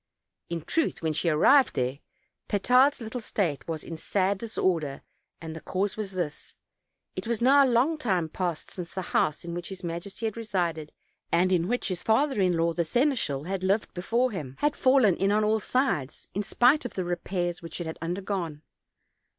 In truth, when she arrived there. Petard's little state "Was in sad disorder, and the cause was this: It was now a long time past since the house in which his majesty had resided, and in which his father in law, the seneschal, had lived before him, had fallen in on all sides, in spite of the repairs which it had undergone.